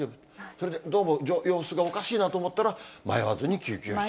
それで、どうも様子がおかしいなと思ったら、迷わずに救急車。